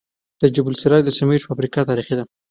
د جبل السراج سمنټو فابریکه تاریخي ده